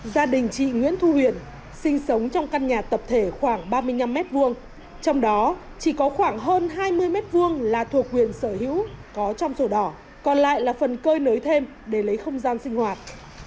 gia đình chị nguyễn thu huyền sinh sống trong căn nhà tập thể khoảng ba mươi năm m hai trong đó chỉ có khoảng hơn hai mươi m hai là thuộc quyền sở hữu có trong sổ đỏ còn lại là phần cơi nới thêm để lấy không gian sinh hoạt